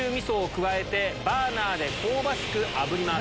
バーナーで香ばしくあぶります。